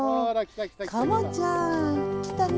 コモちゃん来たね。